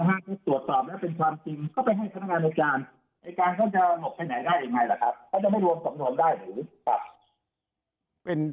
อายการเขาจะหลบไปไหนได้อย่างไรล่ะครับเขาจะไม่รวมสำนวนได้หรือวิศัพท์